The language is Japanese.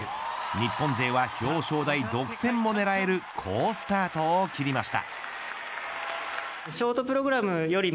日本勢は、表彰台独占も狙える好スタートを切りました。